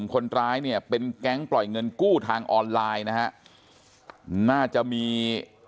คนร้ายเนี่ยเป็นแก๊งปล่อยเงินกู้ทางออนไลน์นะฮะน่าจะมี